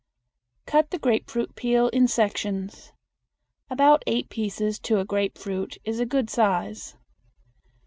Cut the grapefruit peel in sections. About eight pieces to a grapefruit is a good size.